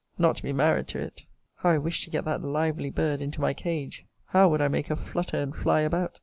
not to be married to it how I wish to get that lively bird into my cage! how would I make her flutter and fly about!